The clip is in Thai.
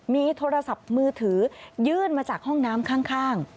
มีโทรศัพท์มือถือยื่นมาจากห้องน้ำข้าง